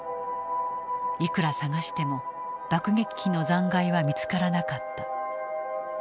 いくら探しても爆撃機の残骸は見つからなかった。